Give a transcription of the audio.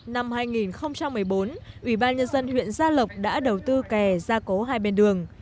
năm hai nghìn một mươi bốn ủy ban nhân dân huyện gia lộc đã đầu tư kè gia cố hai bên đường